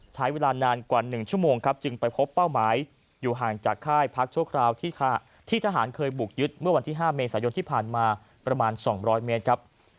ใช้เวลานานกว่า๑ชั่วโมงครับจึงไปพบเป้าหมายอยู่ห่างจากค่ายพักชั่วคราวที่ทหารเคยบุกยึดเมื่อวันที่๕เมษายนที่ผ่านมาประมาณ๒๐๐เมตรครับ